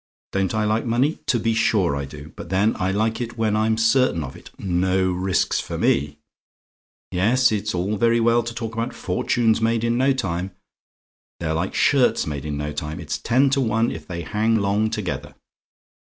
"DON'T I LIKE MONEY? "To be sure I do; but then I like it when I'm certain of it; no risks for me. Yes, it's all very well to talk about fortunes made in no time: they're like shirts made in no time it's ten to one if they hang long together.